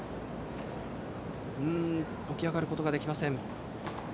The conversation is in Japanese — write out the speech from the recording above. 起き上がることができません。